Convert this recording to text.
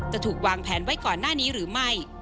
จะถูกวางแผนไว้ก่อนหน้านี้หรือไม่